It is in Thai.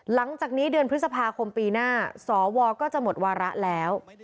หลังจากนี้เดือนพฤษภาคมปีหน้าสวก็จะหมดวาระแล้ว